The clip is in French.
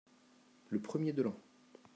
Le premier de l'an.